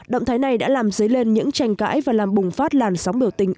động thái này đã làm dấy lên những tranh cãi và làm bùng phát làn sóng biểu tình